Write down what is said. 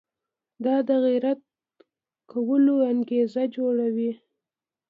دا د غیرت کولو انګېزه جوړوي.